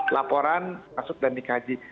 laporan masuk dan dikaji